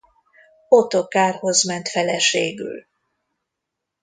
Ottokárhoz ment feleségül.